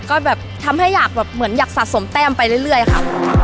ก็แบบทำให้อยากแบบเหมือนอยากสะสมแต้มไปเรื่อยค่ะ